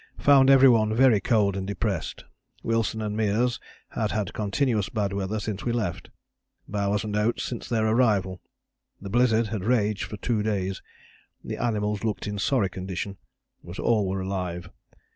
Found every one very cold and depressed. Wilson and Meares had had continuous bad weather since we left, Bowers and Oates since their arrival. The blizzard had raged for two days. The animals looked in a sorry condition, but all were alive.